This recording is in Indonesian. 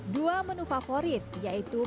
dua menu favorit yaitu